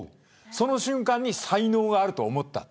その瞬間に才能があると思った。